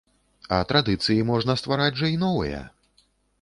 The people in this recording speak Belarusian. А традыцыі можна ствараць жа і новыя.